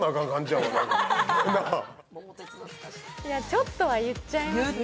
「ちょっと」は言っちゃいますね。